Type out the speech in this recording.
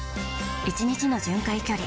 １日の巡回距離